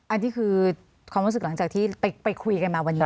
อันนี้คือความรู้สึกหลังจากที่ไปคุยกันมาวันนี้